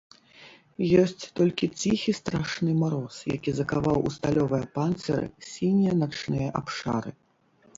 Ёсць толькі ціхі страшны мароз, які закаваў у сталёвыя панцыры сінія начныя абшары.